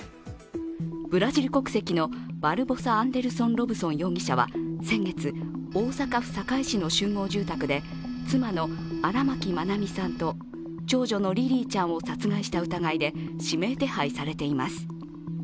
ブラジル国籍のバルボサ・アンデルソン・ロブソン容疑者は先月、大阪府堺市の集合住宅で妻の荒牧愛美さんと長女のリリィちゃんを殺害した疑いで指名手配されています。